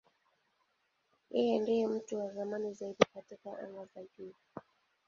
Yeye ndiye mtu wa zamani zaidi katika anga za juu.